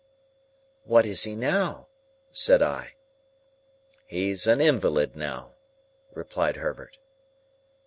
"What is he now?" said I. "He's an invalid now," replied Herbert.